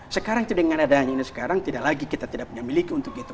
sekarang itu dengan adanya ini sekarang tidak lagi kita tidak punya miliki untuk itu